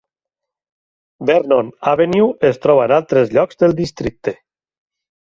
Vernon Avenue es troba en altres llocs del districte.